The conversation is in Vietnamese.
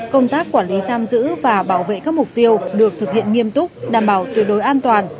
công tác quản lý giam giữ và bảo vệ các mục tiêu được thực hiện nghiêm túc đảm bảo tuyệt đối an toàn